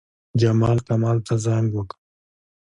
جمال، کمال ته زنګ وکړ.